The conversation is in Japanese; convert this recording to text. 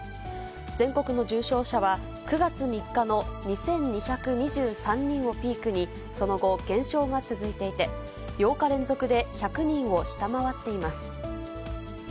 全国の重症者は、９月３日の２２２３人をピークに、その後、減少が続いていて、８日連続で１００人を下回っています。